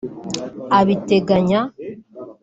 abiteganya